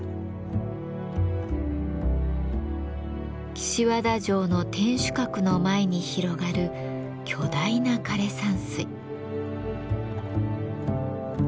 岸和田城の天守閣の前に広がる巨大な枯山水。